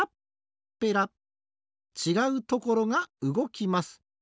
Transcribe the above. ちがうところがうごきます。